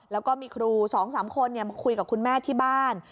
แล้วก็มีครู๒๓คนมาคุยกับคุณแม่ที่บ้าน